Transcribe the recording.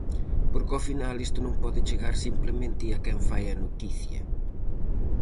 Porque ao final isto non pode chegar simplemente a quen fai a noticia.